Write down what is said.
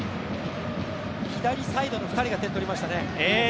左サイドの２人が点を取りましたね。